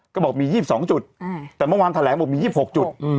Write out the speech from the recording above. ก็บอกมี๒๒จุดแต่เมื่อวานแถลงบอกมี๒๖จุด